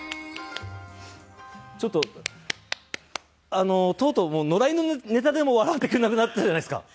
ちょっとあのとうとうもう野良犬のネタでも笑ってくれなくなったじゃないですか。